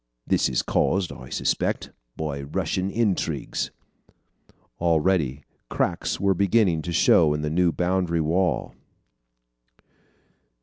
This is caused, I suspect, by Russian intrigues." Already cracks were beginning to show in the new boundary wall.